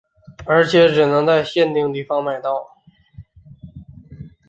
而且只能在限定地方买到。